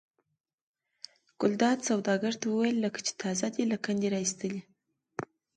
ګلداد سوداګر ته وویل لکه چې تازه دې له کندې را ایستلي.